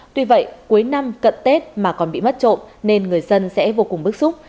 tuy vậy cuối năm cận tết mà còn bị mất trộm nên người dân sẽ vô cùng bức xúc